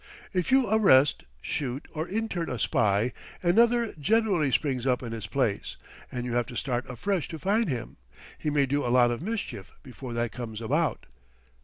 "If you arrest, shoot or intern a spy, another generally springs up in his place, and you have to start afresh to find him; he may do a lot of mischief before that comes about."